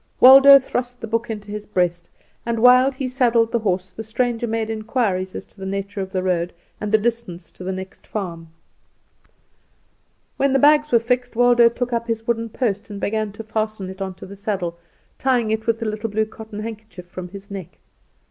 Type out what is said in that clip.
Waldo thrust the book into his breast, and while he saddled the horse the stranger made inquiries as to the nature of the road and the distance to the next farm. When the bags were fixed, Waldo took up his wooden post and began to fasten it on to the saddle, tying it with the little blue cotton handkerchief from his neck.